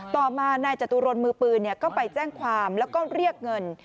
ต่อมานายจตุรนมือปืนก็ไปแจ้งความแล้วก็เรียกเงิน